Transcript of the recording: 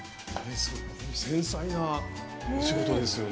繊細なお仕事ですよね。